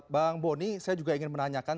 bang boni saya juga ingin menanyakan